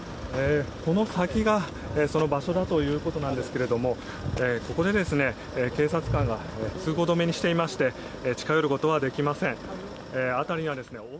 この先がその場所だということなんですけれども警察官が通行止めにしていまして近寄ることはできません。